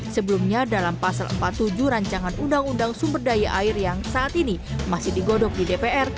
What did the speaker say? sebelumnya dalam pasal empat puluh tujuh rancangan undang undang sumber daya air yang saat ini masih digodok di dpr